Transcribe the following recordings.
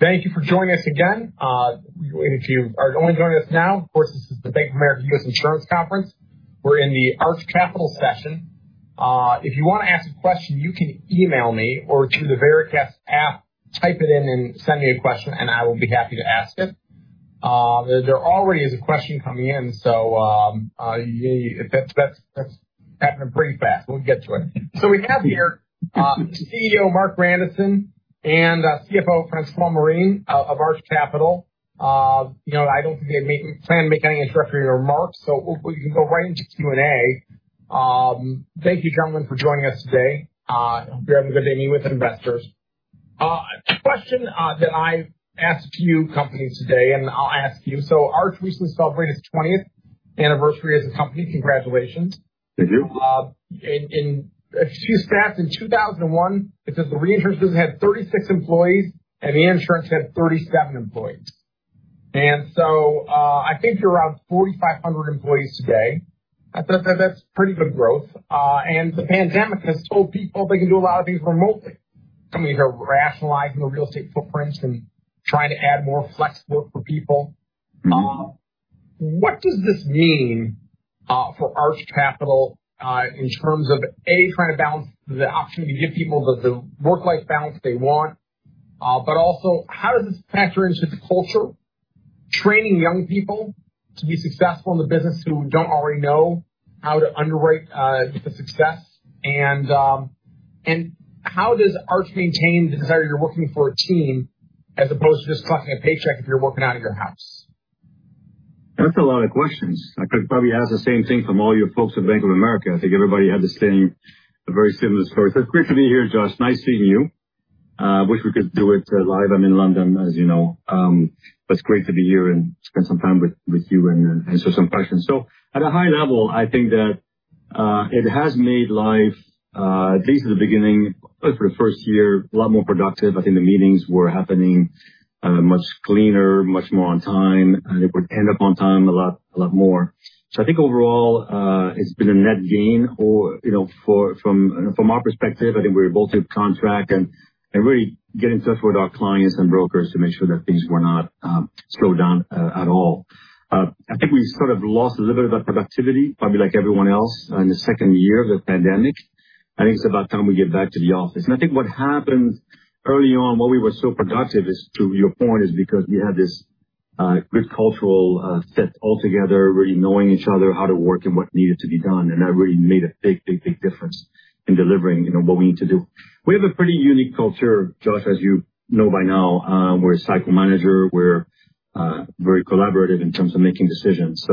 Thank you for joining us again. If you are only joining us now, of course, this is the Bank of America Securities 2022 Insurance Conference. We're in the Arch Capital session. If you want to ask a question, you can email me or through the Veracast app, type it in and send me a question, and I will be happy to ask it. There already is a question coming in, that's happening pretty fast. We'll get to it. We have here CEO Marc Grandisson and CFO François Morin of Arch Capital. I don't think they plan to make any introductory remarks, we can go right into Q&A. Thank you, gentlemen, for joining us today. Hope you're having a good day meeting with investors. A question that I asked a few companies today, and I'll ask you. Arch recently celebrated its 20th anniversary as a company. Congratulations. Thank you. A few stats in 2001, it says the reinsurance had 36 employees, and the insurance had 37 employees. I think you're around 4,500 employees today. That's pretty good growth. The pandemic has told people they can do a lot of things remotely. Some of you are rationalizing the real estate footprints and trying to add more flexible for people. What does this mean for Arch Capital in terms of, A, trying to balance the option to give people the work-life balance they want, but also how does this factor into the culture, training young people to be successful in the business who don't already know how to underwrite for success? How does Arch maintain the desire you're looking for a team as opposed to just collecting a paycheck if you're working out of your house? That's a lot of questions. I could probably ask the same thing from all you folks at Bank of America. I think everybody had the same, a very similar story. It's great to be here, Josh. Nice seeing you. Wish we could do it live. I'm in London, as you know, it's great to be here and spend some time with you and answer some questions. At a high level, I think that it has made life, at least at the beginning, for the first year, a lot more productive. I think the meetings were happening much cleaner, much more on time, and they would end up on time a lot more. I think overall, it's been a net gain from our perspective. I think we're able to contract and really get in touch with our clients and brokers to make sure that things were not slowed down at all. I think we sort of lost a little bit of that productivity, probably like everyone else in the second year of the pandemic. I think it's about time we get back to the office. I think what happened early on, why we were so productive is to your point, is because we had this good cultural set all together, really knowing each other, how to work and what needed to be done, and that really made a big, big, big difference in delivering what we need to do. We have a pretty unique culture, Josh, as you know by now. We're a cycle manager. We're very collaborative in terms of making decisions.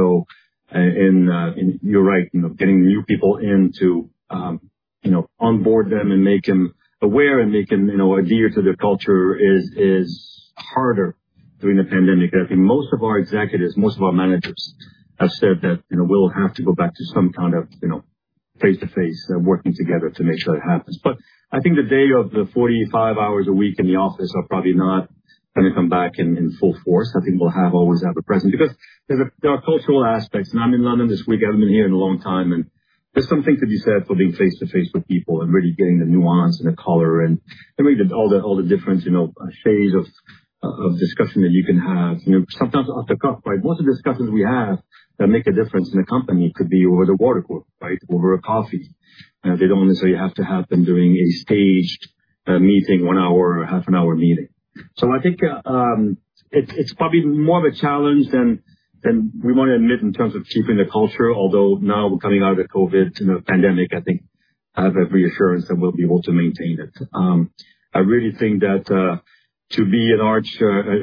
You're right, getting new people in to onboard them and make them aware and make them adhere to the culture is harder during the pandemic. I think most of our executives, most of our managers have said that we'll have to go back to some kind of face-to-face working together to make sure it happens. I think the day of the 45 hours a week in the office are probably not going to come back in full force. I think we'll always have a presence because there are cultural aspects, and I'm in London this week. I haven't been here in a long time, and there's something to be said for being face-to-face with people and really getting the nuance and the color and really all the different shades of discussion that you can have. Sometimes off the cuff, most of the discussions we have that make a difference in the company could be over the water cooler, over a coffee. They don't necessarily have to happen during a staged meeting, one hour or half an hour meeting. I think it's probably more of a challenge than we want to admit in terms of keeping the culture. Although now we're coming out of the COVID pandemic, I think I have every assurance that we'll be able to maintain it. I really think that to be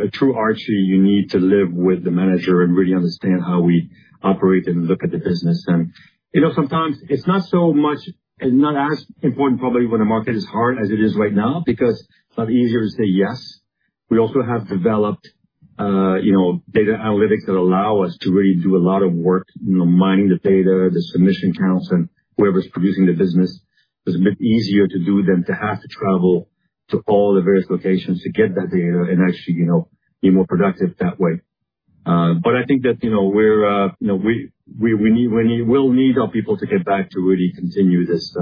a true Archie, you need to live with the manager and really understand how we operate and look at the business. Sometimes it's not as important, probably when the market is hard as it is right now, because a lot easier to say yes. We also have developed data analytics that allow us to really do a lot of work mining the data, the submission counts, and whoever's producing the business. It's a bit easier to do than to have to travel to all the various locations to get that data and actually be more productive that way. I think that we'll need our people to get back to really continue this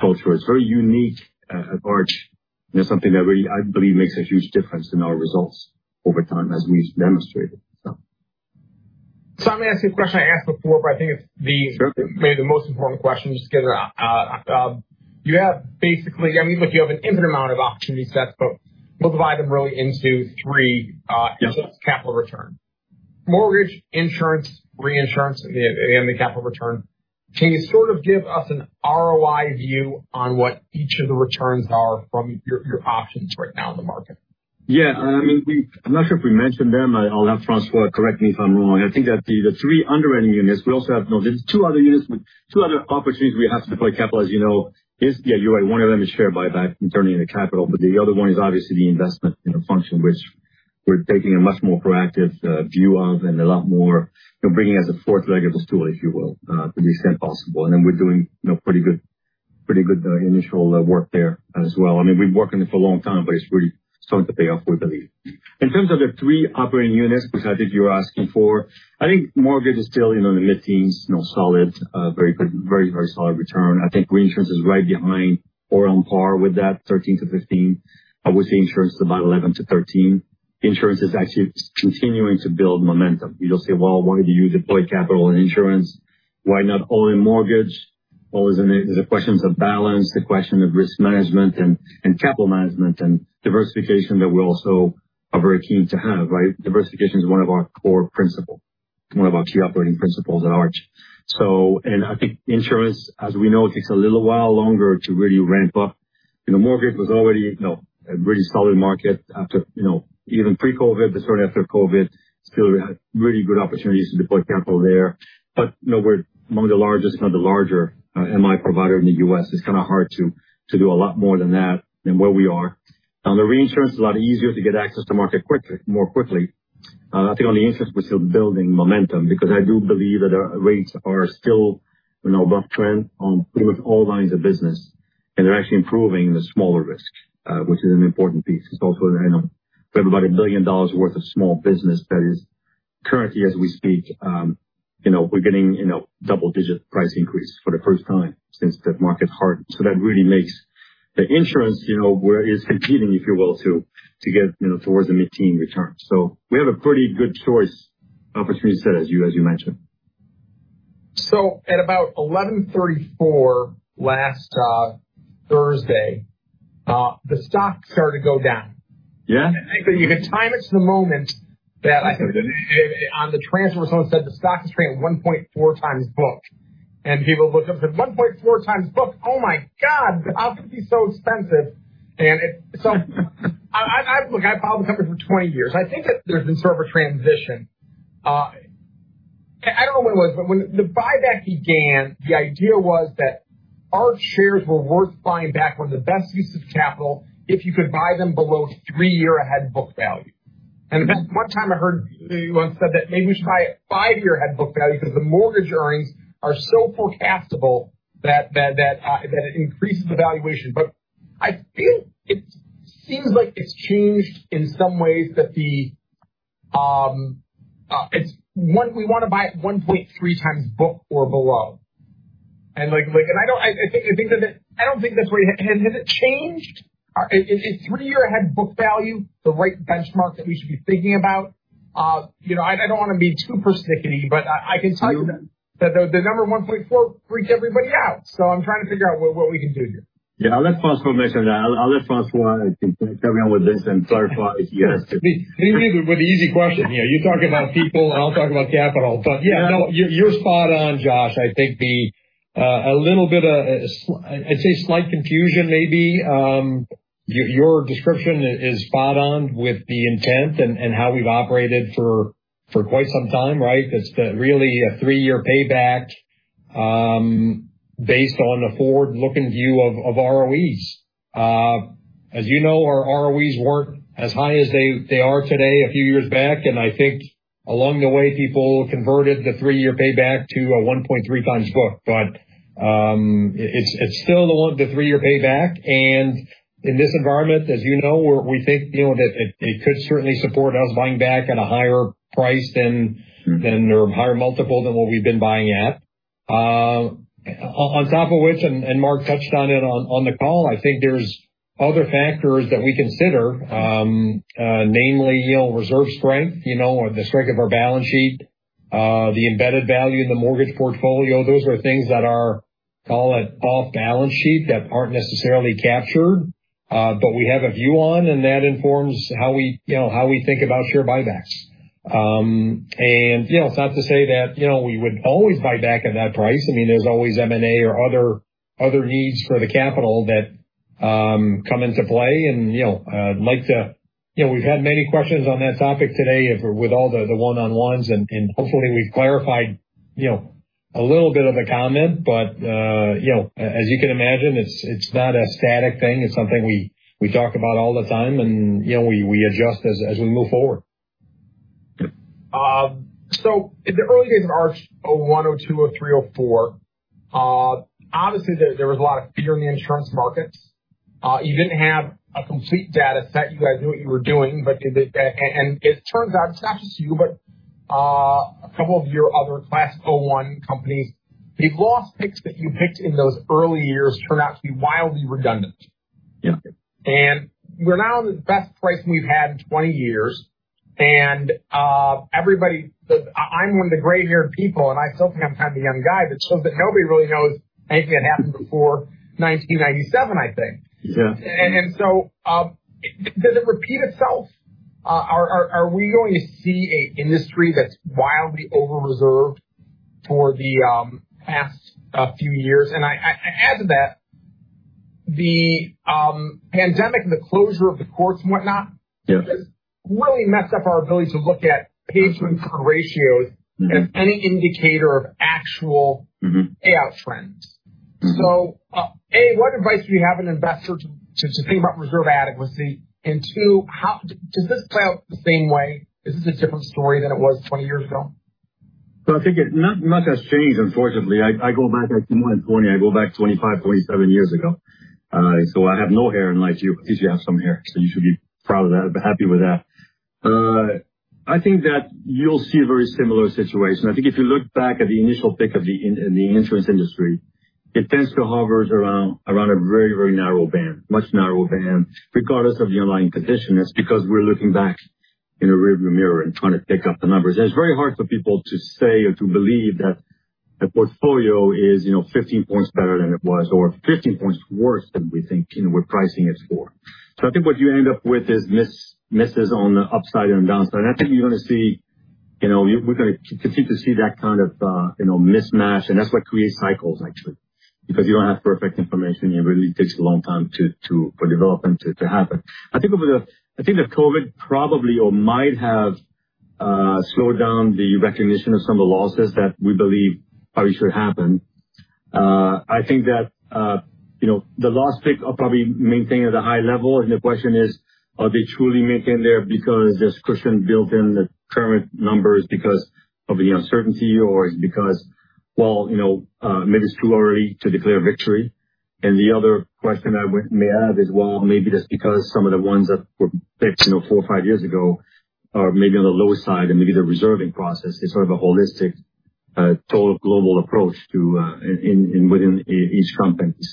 culture. It's very unique at Arch, and it's something that really, I believe, makes a huge difference in our results over time, as we've demonstrated. I'm going to ask you a question I asked before, but I think it's maybe the most important question, just because you have an infinite amount of opportunity sets, but we'll divide them really into three capital return. Mortgage, insurance, reinsurance, and the capital return. Can you sort of give us an ROI view on what each of the returns are from your options right now in the market? Yeah. I'm not sure if we mentioned them. I'll have François correct me if I'm wrong. I think that the three underwriting units, we also have two other units with two other opportunities we have to deploy capital, as you know. Yeah, you're right. One of them is share buyback and turning into capital, the other one is obviously the investment function, which we're taking a much more proactive view of and a lot more bringing as a fourth leg of the stool, if you will, to the extent possible. We're doing pretty good initial work there as well. We've been working it for a long time, but it's really starting to pay off, we believe. In terms of the three operating units, which I think you're asking for, I think mortgage is still in the mid-teens, solid, very solid return. I think reinsurance is right behind Or on par with that, 13%-15%, with the insurance about 11%-13%. Insurance is actually continuing to build momentum. You'll say, "Well, why did you deploy capital in insurance? Why not all-in mortgage?" Well, it's a question of balance, the question of risk management and capital management and diversification that we also are very keen to have, right? Diversification is one of our core principle, one of our key operating principles at Arch. I think insurance, as we know, takes a little while longer to really ramp up. Mortgage was already a really solid market after even pre-COVID, but soon after COVID, still had really good opportunities to deploy capital there. But we're among the largest, if not the larger MI provider in the U.S. It's kind of hard to do a lot more than that than where we are. On the reinsurance, it's a lot easier to get access to market more quickly. I think on the insurance, we're still building momentum because I do believe that our rates are still above trend on pretty much all lines of business, and they're actually improving the smaller risk, which is an important piece. It's also, I know we have about $1 billion worth of small business that is currently as we speak, we're getting double-digit price increase for the first time since that market hardened. That really makes the insurance, where it is competing, if you will, to get towards the mid-teen return. We have a pretty good choice opportunity set as you mentioned. At about 11:34 last Thursday, the stock started to go down. Yeah. I think that you could time it to the moment that on the transfer, someone said the stock is trading at 1.4 times booked. People looked up and said, "1.4 times booked. Oh my God, how could it be so expensive?" Look, I have followed the company for 20 years. I think that there's been sort of a transition. I do not know when it was, but when the buyback began, the idea was that Arch shares were worth buying back when the best use of capital if you could buy them below 3-year ahead book value. One time I heard you once said that maybe we should buy at 5-year ahead book value because the mortgage earnings are so forecastable that it increases the valuation. I feel it seems like it's changed in some ways that we want to buy at 1.3 times book or below. I do not think that is what you. Has it changed? Is 3-year ahead book value the right benchmark that we should be thinking about? I do not want to be too persnickety, but I can tell you that the number 1.4 freaks everybody out. I am trying to figure out what we can do here. Yeah. I will let François mention that. I will let François carry on with this and clarify if he has to. With the easy question here. You talk about people, and I'll talk about capital. You're spot on, Josh. I think a little bit of, I'd say slight confusion maybe. Your description is spot on with the intent and how we've operated for quite some time, right? That's really a three-year payback based on the forward-looking view of ROEs. As you know, our ROEs weren't as high as they are today a few years back, and I think along the way, people converted the three-year payback to a 1.3x book. It's still the three-year payback. In this environment, as you know, we think that it could certainly support us buying back at a higher price than, or higher multiple than what we've been buying at. On top of which, Marc touched on it on the call, I think there's other factors that we consider, namely reserve strength, the strength of our balance sheet, the embedded value in the mortgage portfolio. Those are things that are call it off balance sheet that aren't necessarily captured, but we have a view on, and that informs how we think about share buybacks. It's not to say that we would always buy back at that price. There's always M&A or other needs for the capital that come into play. We've had many questions on that topic today with all the one-on-ones, and hopefully we've clarified a little bit of the comment. As you can imagine, it's not a static thing. It's something we talk about all the time, and we adjust as we move forward. In the early days of Arch, 2001, 2002, 2003, 2004, obviously, there was a lot of fear in the insurance markets. You didn't have a complete data set. You guys knew what you were doing. It turns out it's not just you, but a couple of your other Class of 2001 companies, the loss picks that you picked in those early years turned out to be wildly redundant. Yeah. We're now in the best pricing we've had in 20 years. Everybody that I'm one of the gray-haired people, and I still think I'm kind of a young guy, but it shows that nobody really knows anything that happened before 1997, I think. Yeah. Does it repeat itself? Are we going to see an industry that's wildly over-reserved for the past few years? I add to that the pandemic and the closure of the courts and whatnot. Yeah. It has really messed up our ability to look at payment for ratios as any indicator of actual payout trends. A, what advice do you have an investor to think about reserve adequacy? Two, does this play out the same way? Is this a different story than it was 20 years ago? I think not much has changed, unfortunately. I go back more than 20. I go back 25, 27 years ago. I have no hair unlike you. At least you have some hair. You should be proud of that, happy with that. I think that you'll see a very similar situation. I think if you look back at the initial pick of the insurance industry, it tends to hover around a very narrow band, much narrower band, regardless of the underlying condition. That's because we're looking back in a rear-view mirror and trying to pick up the numbers. It's very hard for people to say or to believe that a portfolio is 15 points better than it was or 15 points worse than we think we're pricing it for. I think what you end up with is misses on the upside and downside. I think we're going to continue to see that kind of mismatch, and that's what creates cycles, actually, because you don't have perfect information, and it really takes a long time for development to happen. I think that COVID probably, or might have slowed down the recognition of some of the losses that we believe probably should happen. I think that the loss pick will probably maintain at a high level, and the question is, are they truly maintained there because there's cushion built in the current numbers because of the uncertainty, or is it because maybe it's too early to declare victory? The other question I may add is, well, maybe that's because some of the ones that were picked 4 or 5 years ago are maybe on the lower side, and maybe the reserving process is sort of a holistic, total global approach within each companies.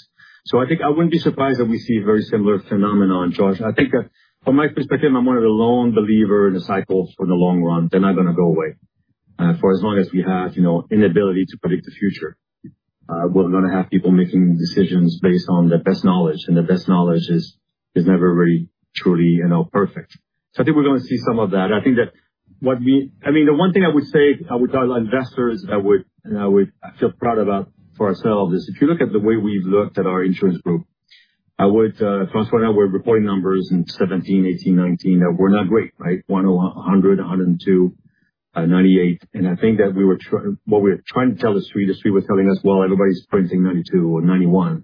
I think I wouldn't be surprised if we see a very similar phenomenon, Josh. I think that from my perspective, I'm one of the lone believer in the cycles for the long run. They're not going to go away. For as long as we have inability to predict the future, we're going to have people making decisions based on their best knowledge, and their best knowledge is never really, truly perfect. I think we're going to see some of that. The one thing I would say, I would tell investors that I feel proud about for ourselves is, if you look at the way we've looked at our insurance group, François and I were reporting numbers in 2017, 2018, 2019, that were not great, right? 100%, 102%, 98%. I think that what we're trying to tell the Street, the Street was telling us, well, everybody's printing 92% or 91%,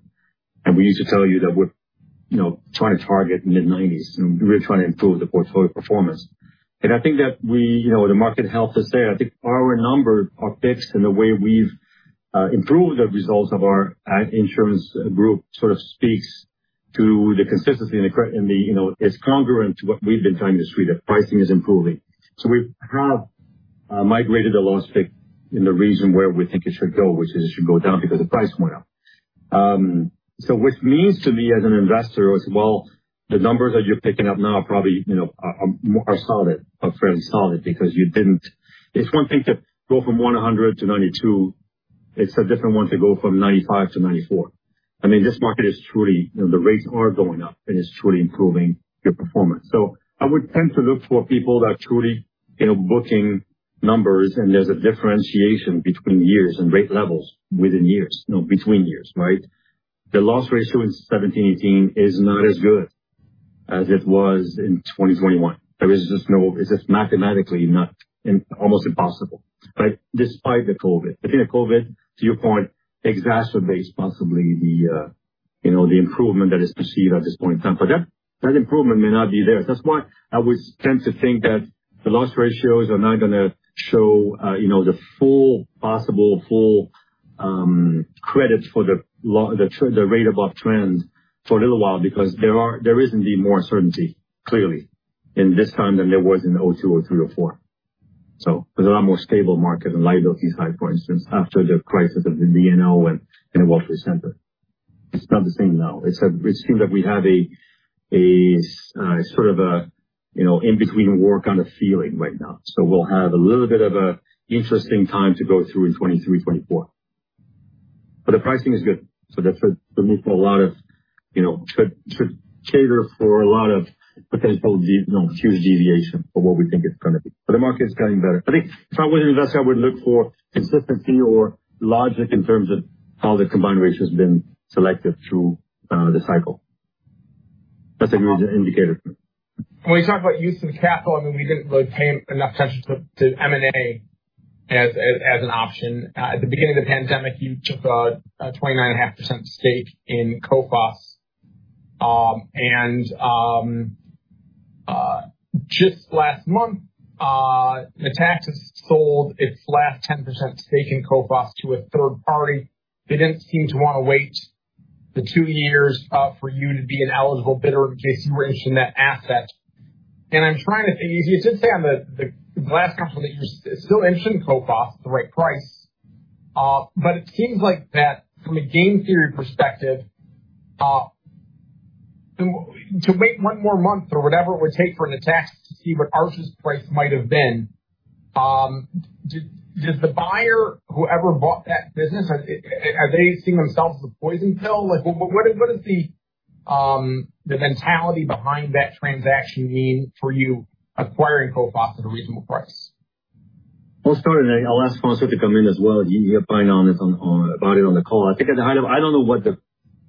and we need to tell you that we're trying to target mid-90s, and we're really trying to improve the portfolio performance. I think that the market helped us there. I think our numbers are fixed, and the way we've improved the results of our insurance group sort of speaks to the consistency and it's congruent to what we've been telling the Street, that pricing is improving. We've kind of migrated the loss pick in the region where we think it should go, which is it should go down because the price went up. Which means to me as an investor, well, the numbers that you're picking up now probably are solid, are fairly solid. It's one thing to go from 100% to 92%. It's a different one to go from 95% to 94%. This market is truly, the rates are going up, and it's truly improving your performance. I would tend to look for people that are truly booking numbers, and there's a differentiation between years and rate levels within years. Between years, right? The loss ratio in 2017, 2018 is not as good as it was in 2021. It's just mathematically almost impossible, right? Despite the COVID. I think the COVID, to your point, exacerbates possibly the improvement that is perceived at this point in time. But that improvement may not be there. That's why I would tend to think that the loss ratios are not going to show the full possible credits for the rate above trends for a little while, because there is indeed more uncertainty, clearly, in this time than there was in 2002, 2003, or 2004. There's a lot more stable market in liability side, for instance, after the crisis of the Enron and the World Trade Center. It's not the same now. It seems like we have a sort of in-between war kind of feeling right now. We'll have a little bit of an interesting time to go through in 2023, 2024. The pricing is good. That should cater for a lot of potential huge deviation for what we think it's going to be. The market's getting better. I think if I was an investor, I would look for consistency or logic in terms of how the combined ratio has been selected through the cycle. That's a good indicator. When you talk about use of capital, we didn't really pay enough attention to M&A as an option. At the beginning of the pandemic, you took a 29.5% stake in Coface. Just last month, Natixis has sold its last 10% stake in Coface to a third party. They didn't seem to want to wait the two years for you to be an eligible bidder in case you were interested in that asset. You did say on the last conference call that you're still interested in Coface at the right price. It seems like that from a game theory perspective, to wait one more month or whatever it would take for Natixis to see what Arch's price might have been, does the buyer, whoever bought that business, are they seeing themselves as a poison pill? What does the mentality behind that transaction mean for you acquiring Coface at a reasonable price? I'll start, I'll ask François to come in as well. He'll chime in on the call. I don't know what the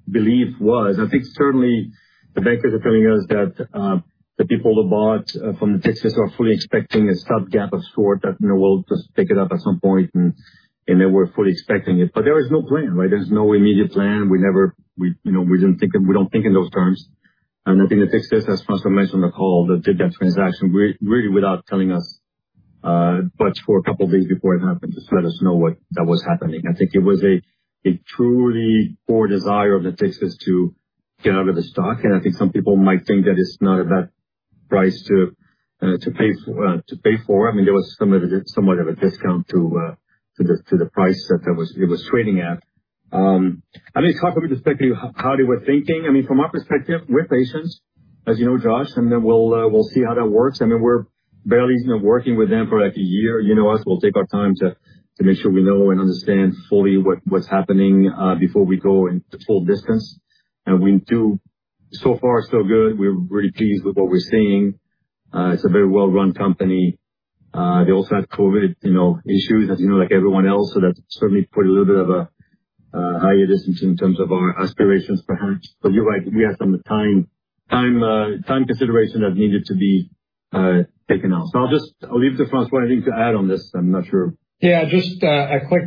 belief was. I think certainly the bankers are telling us that the people who bought from the Natixis are fully expecting a stopgap of sort that we'll just pick it up at some point, they were fully expecting it. There is no plan, right? There's no immediate plan. We don't think in those terms. I think the Natixis, as François mentioned on the call, that did that transaction really without telling us much for a couple of days before it happened. Just let us know that was happening. I think it was a truly poor desire of the Natixis to get out of the stock, I think some people might think that it's not a bad price to pay for. There was somewhat of a discount to the price that it was trading at. I mean, it's hard from a perspective how they were thinking. From our perspective, we're patients, as you know, Josh, we'll see how that works. I mean, we're barely working with them for like a year. You know us, we'll take our time to make sure we know and understand fully what's happening before we go in the full distance. We do. So far, so good. We're really pleased with what we're seeing. It's a very well-run company. They also had COVID issues, as you know, like everyone else, so that certainly put a little bit of a higher distance in terms of our aspirations, perhaps. You're right, we had some time consideration that needed to be taken out. I'll leave to François anything to add on this. I'm not sure. Yeah, just a quick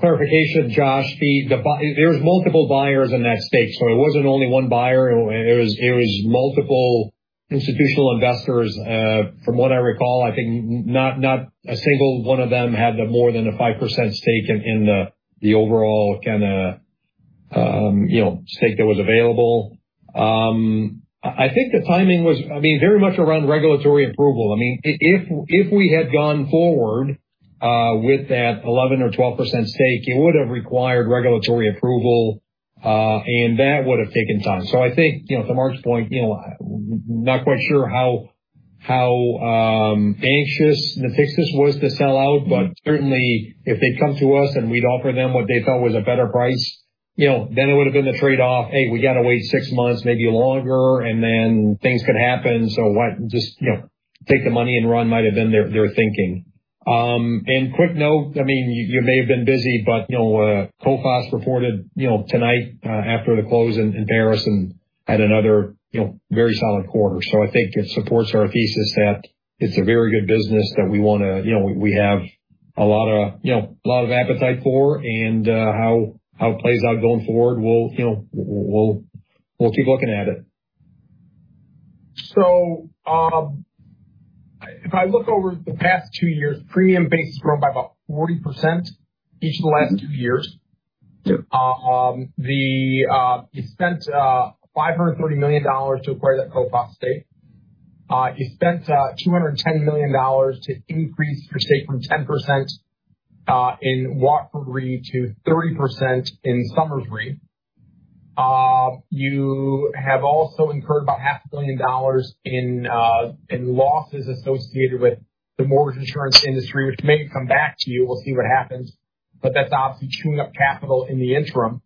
clarification, Josh. There was multiple buyers in that stake. It wasn't only one buyer. It was multiple institutional investors. From what I recall, I think not a single one of them had more than a 5% stake in the overall stake that was available. I think the timing was very much around regulatory approval. If we had gone forward with that 11% or 12% stake, it would have required regulatory approval, and that would have taken time. I think, to Marc's point, not quite sure how anxious Natixis was to sell out, but certainly if they'd come to us and we'd offer them what they thought was a better price, then it would have been the trade-off. Hey, we got to wait six months, maybe longer, and then things could happen. Just take the money and run might have been their thinking. Quick note, you may have been busy, but Coface reported tonight after the close in Paris and had another very solid quarter. I think it supports our thesis that it's a very good business that we have a lot of appetite for, and how it plays out going forward, we'll keep looking at it. If I look over the past two years, premium base has grown by about 40% each of the last two years. Yep. You spent $530 million to acquire that Coface stake. You spent $210 million to increase your stake from 10% in Watford Re to 30% in Somers Re. You have also incurred about half a billion dollars in losses associated with the mortgage insurance industry, which may come back to you. We'll see what happens. That's obviously chewing up capital in the interim.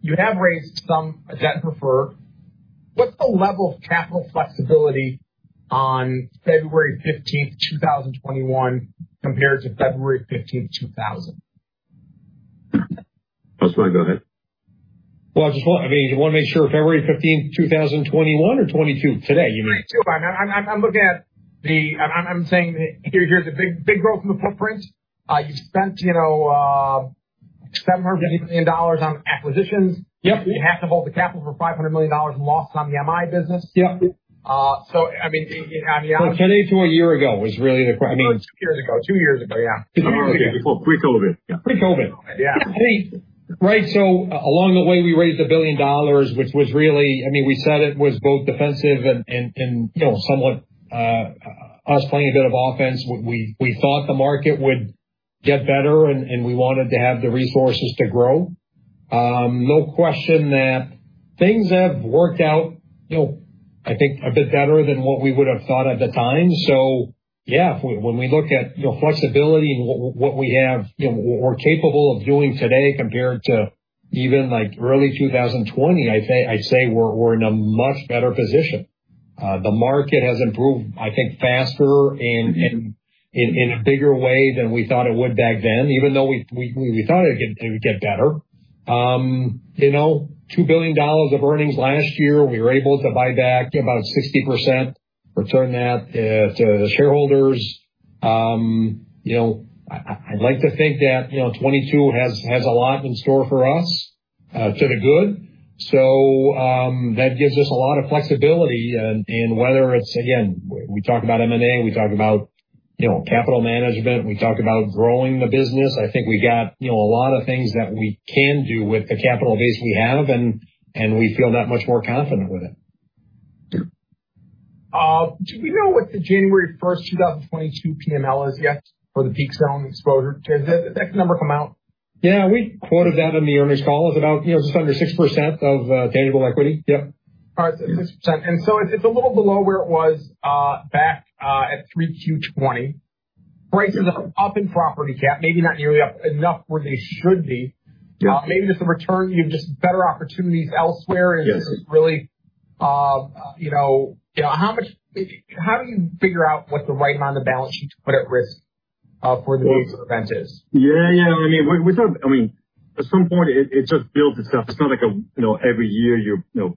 You have raised some debt preferred. What's the level of capital flexibility on February 15th, 2021 compared to February 15th, 2000? François, go ahead. Well, I just want to make sure, February 15th, 2021 or 2022, today you mean? 2022. I'm saying here's the big growth in the footprint. You spent $750 million on acquisitions. Yep. You have to hold the capital for $500 million in losses on the MI business. Yep. I mean- Today to a year ago was really the, I mean- Two years ago. Yeah. Before, pre-COVID. Yeah. Pre-COVID. Yeah. Right. Along the way, we raised $1 billion, which was really, we said it was both defensive and somewhat us playing a bit of offense. We thought the market would get better, and we wanted to have the resources to grow. No question that things have worked out I think a bit better than what we would have thought at the time. Yeah, when we look at flexibility and what we have, we're capable of doing today compared to even early 2020, I'd say we're in a much better position. The market has improved, I think, faster and in a bigger way than we thought it would back then, even though we thought it would get better. $2 billion of earnings last year. We were able to buy back about 60%, return that to the shareholders. I'd like to think that 2022 has a lot in store for us to the good. That gives us a lot of flexibility. Whether it's, again, we talk about M&A, we talk about capital management, we talk about growing the business. I think we got a lot of things that we can do with the capital base we have, and we feel that much more confident with it. Do we know what the January 1st, 2022 PML is yet for the peak zone exposure? Has that number come out? Yeah. We quoted that in the earnings call. It's about just under 6% of tangible equity. Yep. All right. 6%. It's a little below where it was back at 3Q20. Prices are up in property cat, maybe not nearly up enough where they should be. Yep. Maybe just a return, just better opportunities elsewhere. Yes This is really, how do you figure out what the right amount of balance sheet to put at risk for the peak event is? I mean, at some point, it just builds itself. It's not like every year you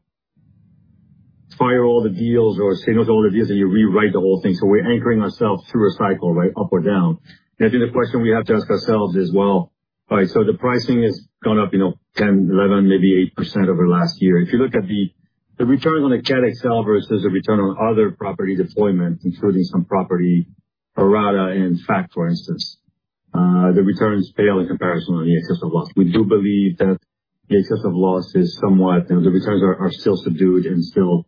fire all the deals or say no to all the deals and you rewrite the whole thing. We're anchoring ourselves through a cycle, up or down. I think the question we have to ask ourselves is, well, the pricing has gone up 10, 11, maybe 8% over the last year. If you look at the return on the cat XOL versus the return on other property deployments, including some property E&S and fac, for instance. The returns pale in comparison on the excess of loss. We do believe that the excess of loss is somewhat, the returns are still subdued and still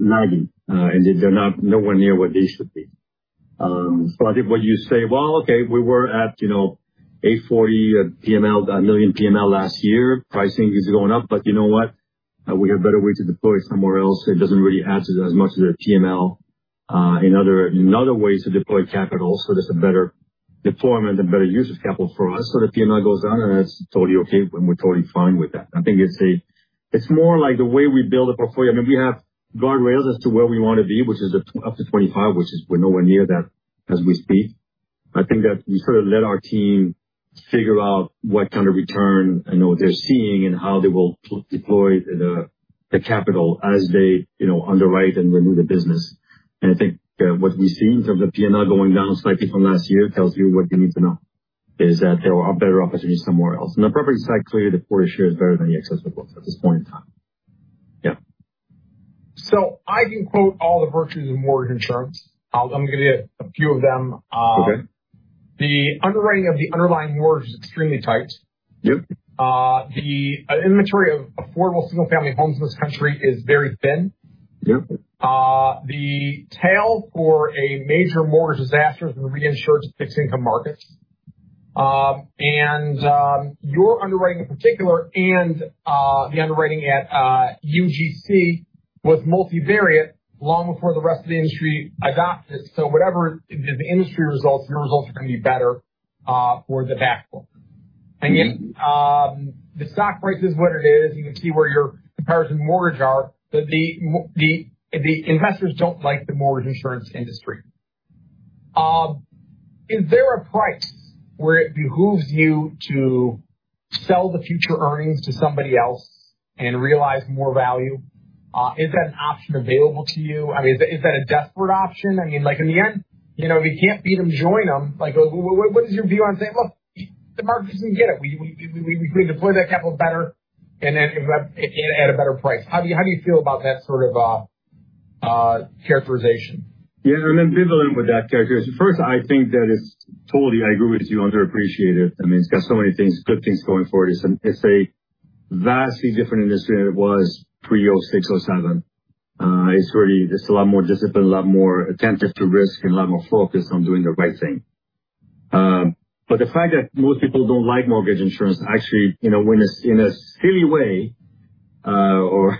lagging, and they're nowhere near what they should be. I think when you say, "Well, okay, we were at 8.4% PML last year. Pricing is going up, you know what? We have better way to deploy it somewhere else. It doesn't really add to as much to the PML in other ways to deploy capital." That's a better deployment and better use of capital for us. The PML goes down, and it's totally okay, and we're totally fine with that. I think it's more like the way we build a portfolio. I mean, we have guardrails as to where we want to be, which is up to 25, which is we're nowhere near that as we speak. I think that we sort of let our team figure out what kind of return and what they're seeing and how they will deploy the capital as they underwrite and renew the business. I think what we've seen in terms of the PML going down slightly from last year tells you what you need to know, is that there are better opportunities somewhere else. The property side clearly to 40 share is better than the excess of loss at this point in time. Yeah. I can quote all the virtues of mortgage insurance. I'll give you a few of them. Okay. The underwriting of the underlying mortgage is extremely tight. Yep. The inventory of affordable single-family homes in this country is very thin. Yep. The tail for a major mortgage disaster is in the reinsurance fixed income markets. Your underwriting in particular and the underwriting at UGC was multivariate long before the rest of the industry adopted it. Whatever the industry results, your results are going to be better for the back book. Again, the stock price is what it is. You can see where your comparison mortgage are. The investors don't like the mortgage insurance industry. Is there a price where it behooves you to sell the future earnings to somebody else and realize more value? Is that an option available to you? I mean, is that a desperate option? I mean, like in the end, if you can't beat them, join them. What is your view on saying, "Look, the market doesn't get it."? We can deploy that capital better and at a better price." How do you feel about that sort of characterization? I'm ambivalent with that character. I think that it's totally, I agree with you, underappreciated. I mean, it's got so many good things going for it. It's a vastly different industry than it was pre 2006, 2007. It's really just a lot more discipline, a lot more attentive to risk, and a lot more focused on doing the right thing. The fact that most people don't like mortgage insurance, actually in a silly way, or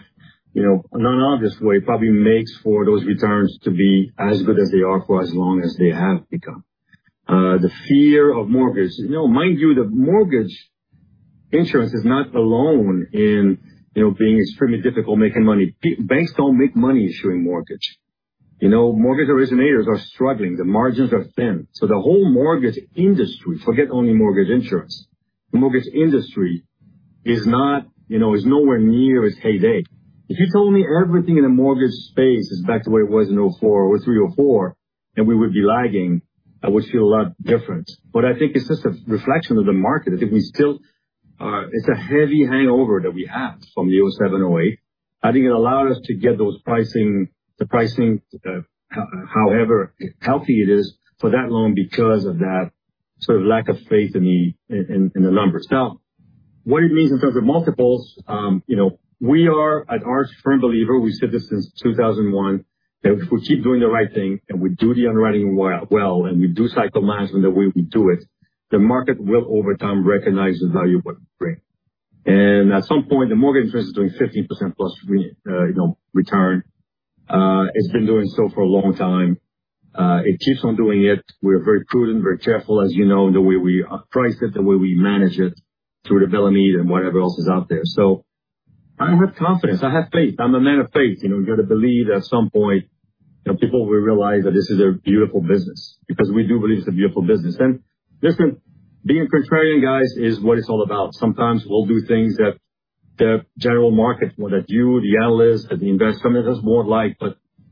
non-obvious way, probably makes for those returns to be as good as they are for as long as they have become. The fear of mortgage. Mind you, the mortgage insurance is not alone in being extremely difficult making money. Banks don't make money issuing mortgage. Mortgage originators are struggling. The margins are thin. The whole mortgage industry, forget only mortgage insurance, the mortgage industry is nowhere near its heyday. If you told me everything in the mortgage space is back to where it was in 2004 or 2003 or 2004, and we would be lagging, I would feel a lot different. I think it's just a reflection of the market. I think it's a heavy hangover that we have from the 2007, 2008. I think it allowed us to get those pricing, the pricing, however healthy it is, for that long because of that sort of lack of faith in the numbers. What it means in terms of multiples, we are at Arch firm believer, we said this since 2001, that if we keep doing the right thing, and we do the underwriting well, and we do cycle management the way we do it, the market will over time recognize the value we bring. At some point, the mortgage insurance is doing 15% plus return. It's been doing so for a long time. It keeps on doing it. We're very prudent, very careful, as you know, in the way we price it, the way we manage it through the Bellemeade and whatever else is out there. I have confidence. I have faith. I'm a man of faith. You got to believe at some point, people will realize that this is a beautiful business because we do believe it's a beautiful business. Listen, being contrarian, guys, is what it's all about. Sometimes we'll do things that the general market or that you, the analysts, that the investment doesn't want like.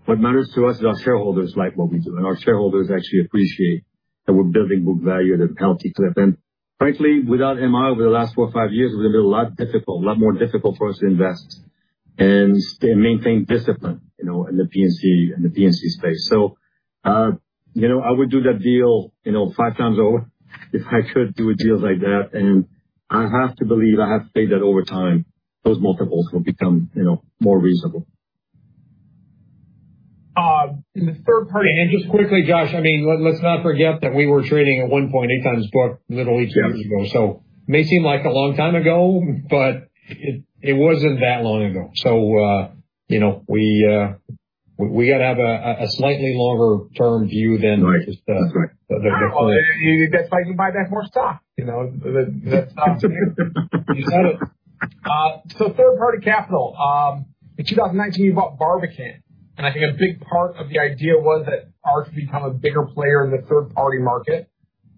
What matters to us is our shareholders like what we do. Our shareholders actually appreciate that we're building book value at a healthy clip. Frankly, without MI over the last 4 or 5 years, it would have been a lot difficult, a lot more difficult for us to invest and maintain discipline in the P&C space. I would do that deal 5 times over if I could do a deal like that. I have to believe, I have to say that over time, those multiples will become more reasonable. In the third party- Just quickly, Josh, I mean, let's not forget that we were trading at 1.8 times book literally two years ago. May seem like a long time ago, but it wasn't that long ago. We got to have a slightly longer-term view than just the- Right. That's right. That's why you buy back more stock. That stock to you. You said it. Third-party capital. In 2019, you bought Barbican, I think a big part of the idea was that Arch become a bigger player in the third-party market.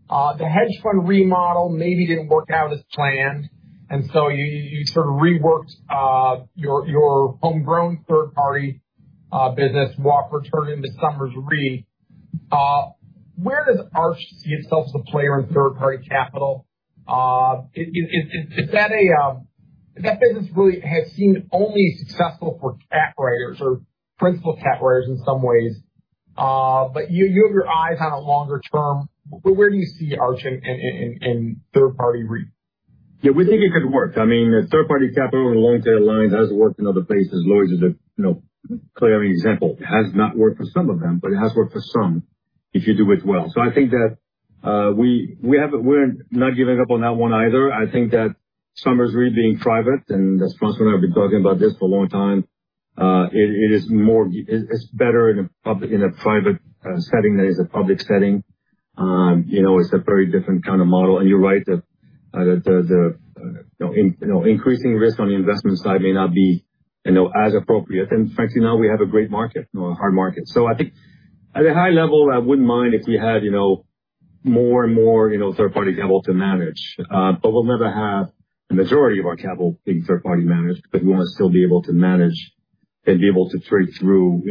The hedge fund remodel maybe didn't work out as planned, you sort of reworked your homegrown third-party business, Watford, turning to Somers Re. Where does Arch see itself as a player in third-party capital? That business really has seemed only successful for cat writers or principal cat writers in some ways. You have your eyes on a longer term. Where do you see Arch in third party re? We think it could work. Third party capital in the long tail line has worked in other places. Lloyd's is a clear example. It has not worked for some of them, but it has worked for some if you do it well. I think that we're not giving up on that one either. I think that Somers Re being private, as François and I have been talking about this for a long time, it's better in a private setting than it is a public setting. It's a very different kind of model. You're right, that the increasing risk on the investment side may not be as appropriate. Frankly, now we have a great market or a hard market. I think at a high level, I wouldn't mind if we had more and more third parties able to manage. We'll never have the majority of our capital being third party managed, because we want to still be able to manage and be able to trade through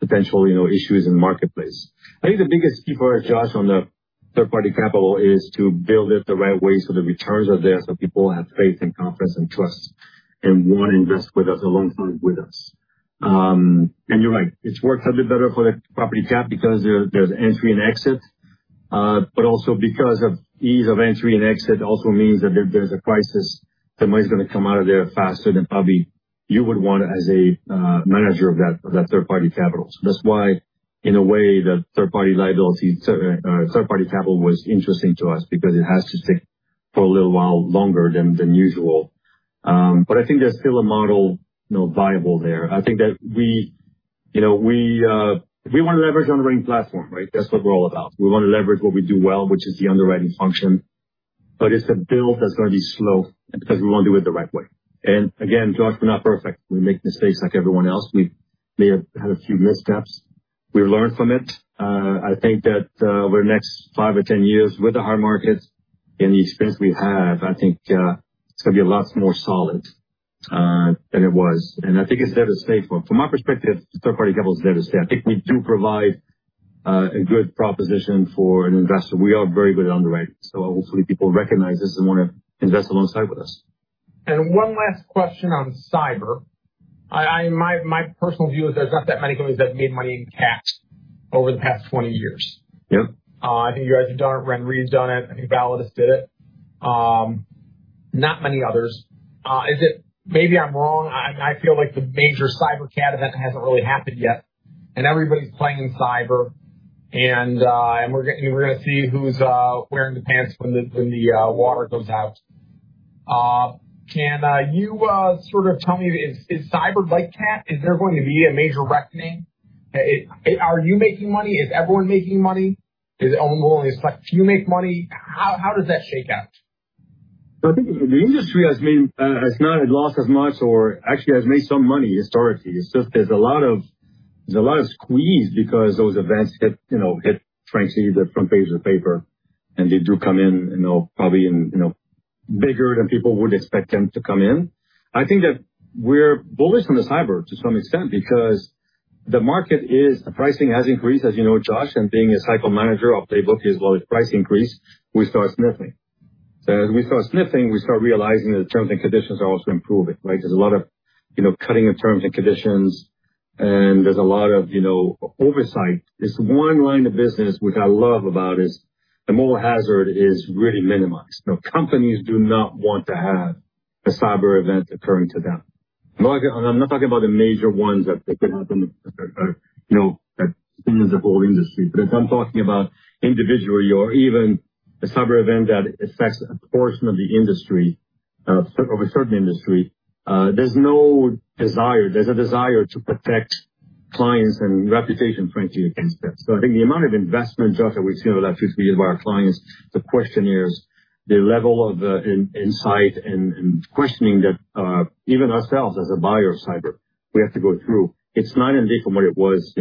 potential issues in the marketplace. I think the biggest key for us, Josh, on the third party capital is to build it the right way so the returns are there, so people have faith and confidence and trust and want to invest with us, a long time with us. You're right, it's worked a bit better for the property cat because there's entry and exit. Also because of ease of entry and exit also means that if there's a crisis, the money's going to come out of there faster than probably you would want as a manager of that third party capital. That's why, in a way, the third party capital was interesting to us, because it has to stay for a little while longer than usual. I think there's still a model viable there. I think that we want to leverage on the ring platform, right? That's what we're all about. We want to leverage what we do well, which is the underwriting function. It's a build that's going to be slow because we want to do it the right way. Again, Josh, we're not perfect. We make mistakes like everyone else. We may have had a few missteps. We learned from it. I think that over the next five or 10 years with the hard markets and the expense we have, I think it's going to be a lot more solid than it was. I think it's there to stay for. From my perspective, third party capital is there to stay. I think we do provide a good proposition for an investor. We are very good at underwriting, hopefully people recognize this and want to invest alongside with us. one last question on cyber. My personal view is there's not that many companies that made money in cat over the past 20 years. Yep. I think you guys have done it, RenaissanceRe's done it. I think Validus did it. Not many others. Maybe I'm wrong. I feel like the major cyber cat event hasn't really happened yet, everybody's playing in cyber, and we're going to see who's wearing the pants when the water goes out. Can you sort of tell me, is cyber like cat? Is there going to be a major reckoning? Are you making money? Is everyone making money? Is it only going to be select few make money? How does that shake out? I think the industry has not lost as much or actually has made some money historically. It's just there's a lot of squeeze because those events hit, frankly, the front page of the paper, and they do come in probably bigger than people would expect them to come in. I think that we're bullish on the cyber to some extent because the pricing has increased, as you know, Josh. Being a cyber manager, our playbook is while it's price increase, we start sniffing. As we start sniffing, we start realizing that the terms and conditions are also improving, right? There's a lot of cutting in terms and conditions, and there's a lot of oversight. This one line of business, which I love about is the moral hazard is really minimized. Companies do not want to have a cyber event occurring to them. I'm not talking about the major ones that could happen that sting the whole industry. If I'm talking about individually or even a cyber event that affects a portion of the industry or a certain industry, there's a desire to protect clients and reputation, frankly, against that. I think the amount of investment, Josh, that we've seen over the last few years by our clients to question is the level of insight and questioning that even ourselves as a buyer of cyber, we have to go through. It's night and day from what it was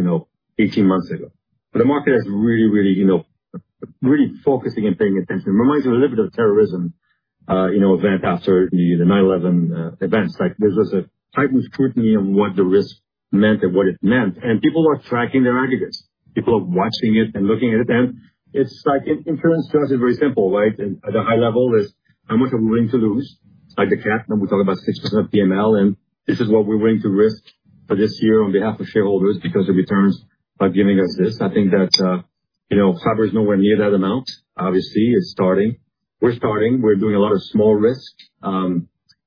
18 months ago. The market is really focusing and paying attention. Reminds me a little bit of terrorism event after the 9/11 events. There was a heightened scrutiny on what the risk meant and what it meant, and people are tracking their aggregates. People are watching it and looking at it. It's like insurance to us is very simple, right? At a high level is how much are we willing to lose? Like the cat, we talk about 6% of PML, this is what we're willing to risk for this year on behalf of shareholders because the returns are giving us this. I think that cyber is nowhere near that amount. Obviously, it's starting. We're starting. We're doing a lot of small risk.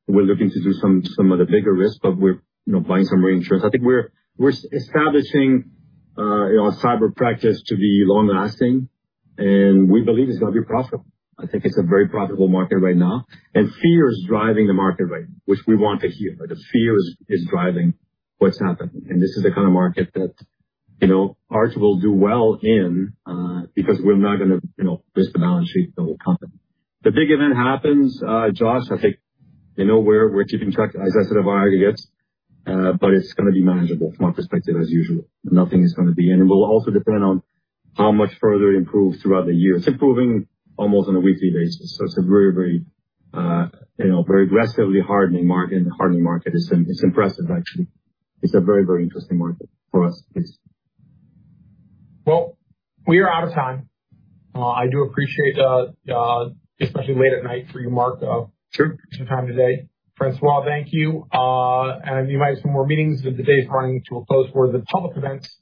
We're looking to do some of the bigger risk, but we're buying some reinsurance. I think we're establishing our cyber practice to be long-lasting, we believe it's going to be profitable. I think it's a very profitable market right now. Fear is driving the market right now, which we want to hear. The fear is driving what's happening. This is the kind of market that Arch will do well in, because we're not going to risk the balance sheet of the whole company. The big event happens, Josh, I think we're keeping track, as I said, of our aggregates, but it's going to be manageable from our perspective as usual. It will also depend on how much further it improves throughout the year. It's improving almost on a weekly basis. It's a very aggressively hardening market. It's impressive, actually. It's a very interesting market for us. It is. Well, we are out of time. I do appreciate, especially late at night for you, Marc. Sure your time today. François, thank you. You might have some more meetings, but the day's running to a close for the public events.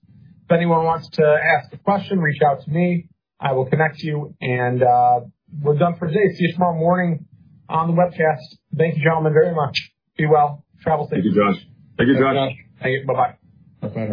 If anyone wants to ask a question, reach out to me. I will connect you. We're done for today. See you tomorrow morning on the webcast. Thank you, gentlemen, very much. Be well. Travel safe. Thank you, Josh. Thank you, Josh. Thank you. Bye-bye. Okay.